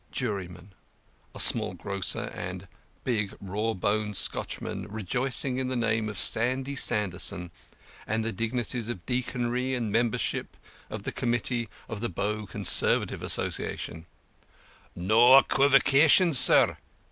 The JURYMAN (a small grocer and big raw boned Scotchman, rejoicing in the name of Sandy Sanderson and the dignities of deaconry and membership of the committee of the Bow Conservative Association): No equeevocation, sir.